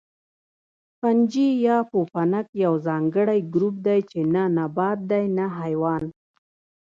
فنجي یا پوپنک یو ځانګړی ګروپ دی چې نه نبات دی نه حیوان